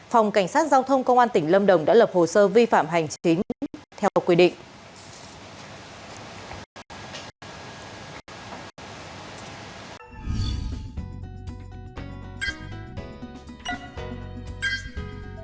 phòng cảnh sát giao thông công an tỉnh lâm đồng đã lập hồ sơ vi phạm hành chính theo quy định